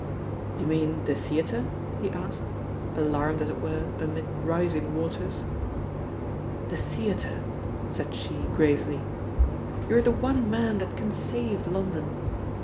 "D'ye mean the theatre?" he asked, alarmed as it were amid rising waters. "The theatre," said she gravely. "You're the one man that can save London.